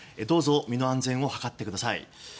どうぞ身の安全を図ってください。